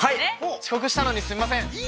遅刻したのにすいません。